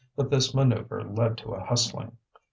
But this manoeuvre led to a hustling.